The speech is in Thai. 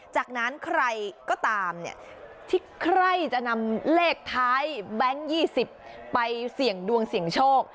จากนั้นใครก็ตามเนี่ยที่ใครจะนำเลขท้ายแบงค์๒๐ไปเสี่ยงดวงเสี่ยงโชค